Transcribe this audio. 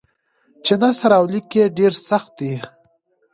چې نثر او لیک یې ډېر سخت دی.